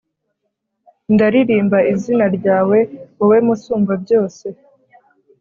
ndaririmba izina ryawe, wowe musumbabyose